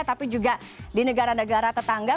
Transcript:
tapi juga di negara negara tetangga